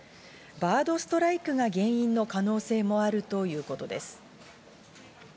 バードストライクが原因の可能性もあるということです。